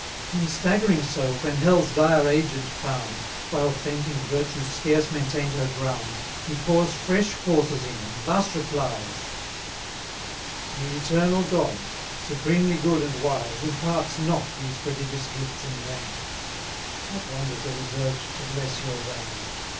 Him staggering so, when hell's dire agent found, While fainting virtue scarce maintain'd her ground, He pours fresh forces in, and thus replies: The eternal God, supremely good and wise, Imparts not these prodigious gifts in vain; What wonders are reserved to bless your reign!